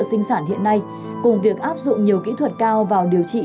sinh sản hiện nay cùng việc áp dụng nhiều kỹ thuật cao vào điều trị